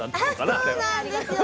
あそうなんですよ。